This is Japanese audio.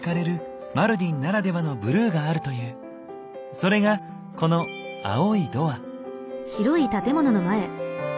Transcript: それがこの青いドア。